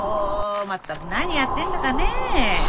全く何やってんだかねえ？